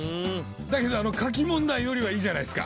だけど書き問題よりはいいじゃないっすか。